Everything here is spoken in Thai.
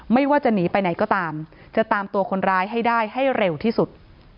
ไม่ว่าจะหนีไปไหนก็ตามจะตามตัวคนร้ายให้ได้ให้เร็วที่สุด